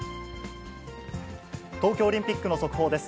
東京オリンピックの速報です。